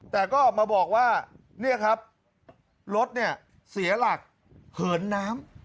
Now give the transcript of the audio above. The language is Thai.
แต่ก็ออกมาบอกว่าเนี่ยครับรถเนี่ยเสียหลักเหินน้ำ